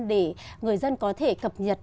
để người dân có thể cập nhật